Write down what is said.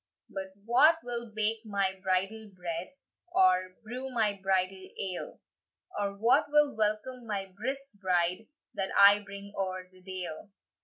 "But wha will bake my bridal bread, Or brew my bridal ale? And wha will welcome my brisk bride, That I bring oer the dale?"